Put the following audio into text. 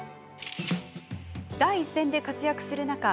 第一線で活躍する中